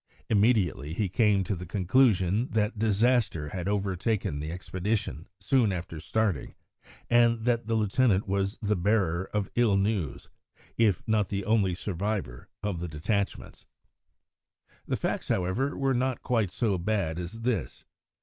Immediately he came to the conclusion that disaster had overtaken the expedition soon after starting, and that the lieutenant was the bearer of ill news, if not the only survivor of the detachments. The facts were, however, not quite so bad as this.